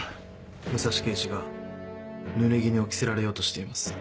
武蔵刑事がぬれぎぬを着せられようとしています。